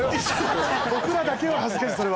僕らだけは恥ずかしいそれは。